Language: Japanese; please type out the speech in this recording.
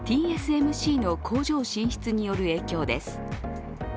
ＴＳＭＣの工場進出による影響です。